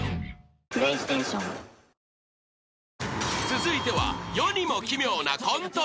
［続いては］